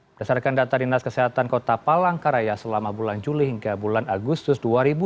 berdasarkan data dinas kesehatan kota palangkaraya selama bulan juli hingga bulan agustus dua ribu dua puluh